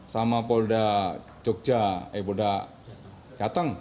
sama polda jogja eh polda jateng